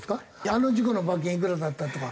あの事故の罰金いくらだったとか。